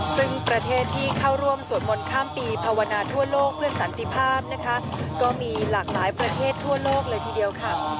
ซึ่งประเทศเข้าร่วมสวดมนต์ข้ามปีภาวนาทั่วโลกก็มีหลักประเทศทั่วโลกเลยทีเดียวค่ะ